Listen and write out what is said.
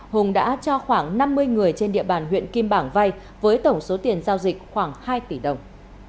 hùng đã cho khoảng năm mươi người trên địa bàn huyện kim bảng vay với tổng số tiền giao dịch khoảng hai tỷ đồng